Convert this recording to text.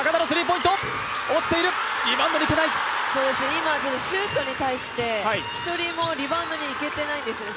今シュートに対して１人もリバウンドにいけていないんですよね